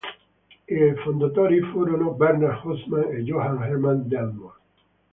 I fondatori furono Bernhard Hausmann e Johann Hermann Detmold.